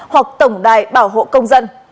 hoặc tổng đài bảo hộ công dân